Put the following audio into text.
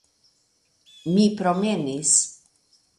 Mi promenis.